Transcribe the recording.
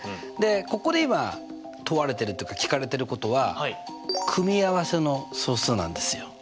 ここで今問われてる聞かれてることは組合せの総数なんですよ。